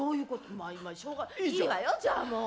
まあいいわよじゃあもう。